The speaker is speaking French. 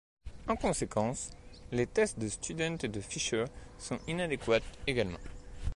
En conséquence, les tests de Student et de Fisher sont inadéquats également.